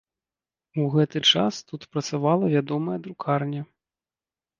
У гэты час тут працавала вядомая друкарня.